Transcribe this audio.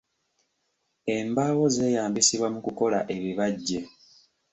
Embaawo zeeyambisibwa mu kukola ebibajje.